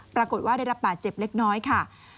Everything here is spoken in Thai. ปรากฏว่าได้รับบาดเจ็บเล็กน้อยค่ะ